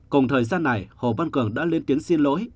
cùng thời gian này hồ văn cường đã lên tiếng xin lỗi